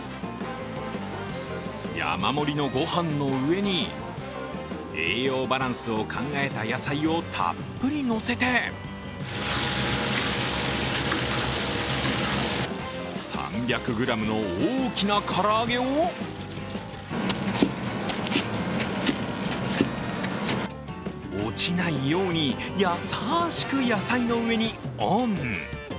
山盛りのご飯の上に、栄養バランスを考えた野菜をたっぷりのせて３００ｇの大きな唐揚げを落ちないように優しく野菜の上にオン。